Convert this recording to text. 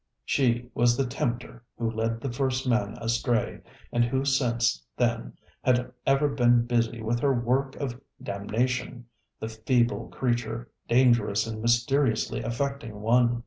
ŌĆØ She was the tempter who led the first man astray, and who since then had ever been busy with her work of damnation, the feeble creature, dangerous and mysteriously affecting one.